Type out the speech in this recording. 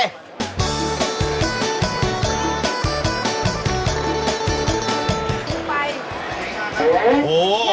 ได้ไป